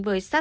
với sát sát